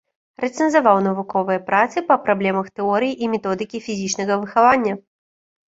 Рэцэнзаваў навуковыя працы па праблемах тэорыі і методыкі фізічнага выхавання.